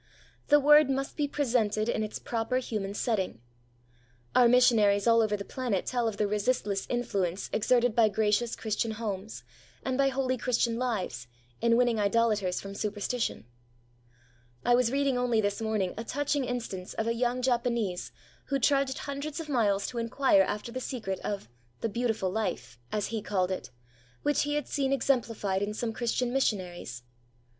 The Word must be presented in its proper human setting. Our missionaries all over the planet tell of the resistless influence exerted by gracious Christian homes, and by holy Christian lives, in winning idolators from superstition. I was reading only this morning a touching instance of a young Japanese who trudged hundreds of miles to inquire after the secret of 'the beautiful life' as he called it which he had seen exemplified in some Christian missionaries.